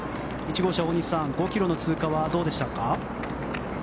１号車の大西さん５ｋｍの通過はどうでしたか？